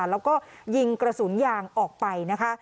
แล้วก็ยิงกระสุนยางออกไปนะคะ